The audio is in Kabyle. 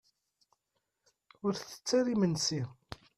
Ur ttett ara imensi.